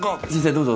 どうぞ。